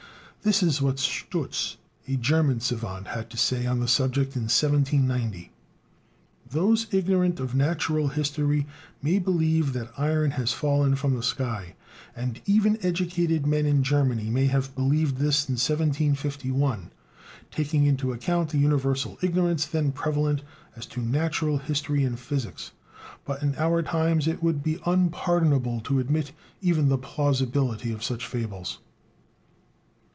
This is what Stütz, a German savant, had to say on the subject in 1790: "Those ignorant of natural history may believe that iron has fallen from the sky, and even educated men in Germany may have believed this in 1751, taking into account the universal ignorance then prevalent as to natural history and physics; but in our times it would be unpardonable to admit even the plausibility of such fables."